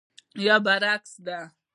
یا برعکس ده.